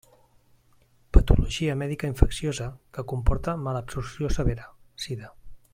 Patologia mèdica infecciosa que comporta malabsorció severa: sida.